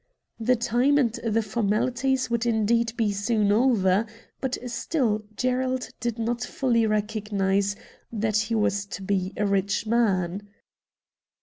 The time and the formalities would indeed be soon over ; but still Gerald did not fully recognise that he was to be a rich man.